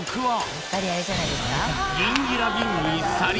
やっぱりあれじゃないですか？